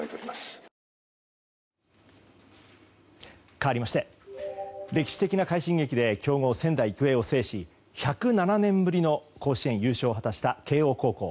かわりまして歴史的な快進撃で強豪・仙台育英を制し１０７年ぶりの甲子園優勝を果たした慶応高校。